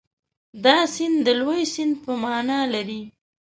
دا سیند د لوی سیند په معنا لري.